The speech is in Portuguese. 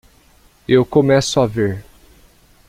Eu começo a ver.